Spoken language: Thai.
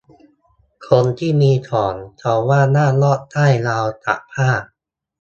คนที่มีของ เขาว่าห้ามลอดใต้ราวตากผ้า